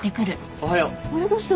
おはよう。